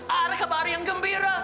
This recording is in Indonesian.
ada kabar yang gembira